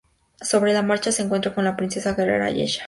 Sobre la marcha se encuentra con la princesa guerrera Ayesha.